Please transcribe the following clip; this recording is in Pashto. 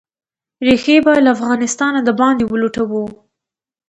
ریښې به «له افغانستانه د باندې ولټوو».